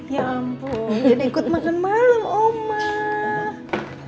ya ampun jadi ikut makan malam omah